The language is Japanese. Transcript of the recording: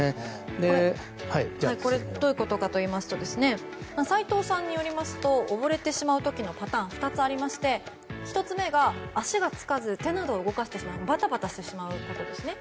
どういうことかといいますと斎藤さんによりますと溺れてしまう時のパターンは２つありまして１つ目が、足がつかず手などを動かしてしまいバタバタしてしまうことですね。